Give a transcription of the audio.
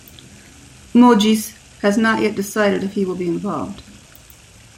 Mogis has not yet decided if he will be involved.